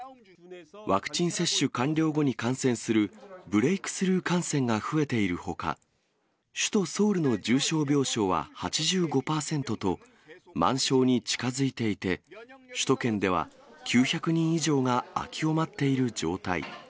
ワクチン接種完了後に感染するブレイクスルー感染が増えているほか、首都ソウルの重症病床は８５％と、満床に近づいていて、首都圏では９００人以上が空きを待っている状態。